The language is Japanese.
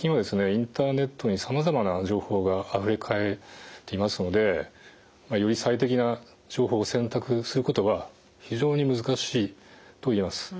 インターネットにさまざまな情報があふれ返っていますのでより最適な情報を選択することは非常に難しいと言えます。